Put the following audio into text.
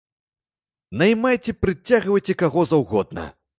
Наймайце, прыцягвайце каго заўгодна.